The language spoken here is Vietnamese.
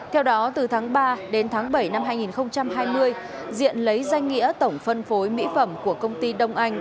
theo đó từ tháng ba đến tháng bảy năm hai nghìn hai mươi diện lấy danh nghĩa tổng phân phối mỹ phẩm của công ty đông anh